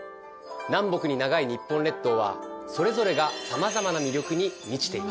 南北に長い日本列島はそれぞれが様々な魅力に満ちています。